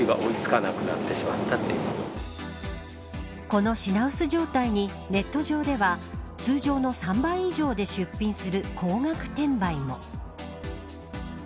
この品薄状態に、ネット上では通常の３倍以上で出品する高額転売も。